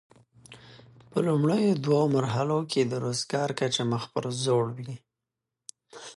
په لومړیو دوو مرحلو کې د روزګار کچه مخ پر ځوړ وي.